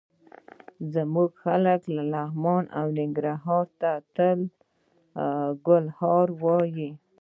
زموږ خلک لغمان او ننګرهار ته د ګل هار وايي.